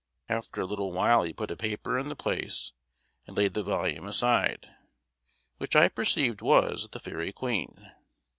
After a little while he put a paper in the place, and laid the volume aside, which I perceived was the Fairy Queen.